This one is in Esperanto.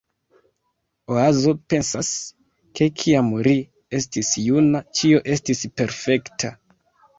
Oazo pensas, ke kiam ri estis juna, ĉio estis perfekta.